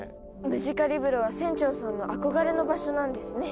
ムジカリブロは船長さんの憧れの場所なんですね。